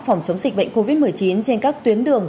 phòng chống dịch bệnh covid một mươi chín trên các tuyến đường